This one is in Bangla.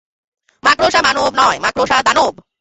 মাকড়সা-মানব নয়, মাকড়সা-দানব!